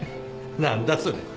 何だそれ？